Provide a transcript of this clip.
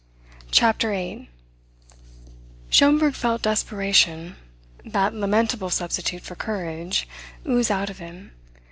CHAPTER EIGHT Schomberg felt desperation, that lamentable substitute for courage, ooze out of him.